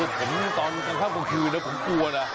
พี่จะเข้ามาเจอผมตอนกลางครั้งกลางคืนนะผมกลัวนะ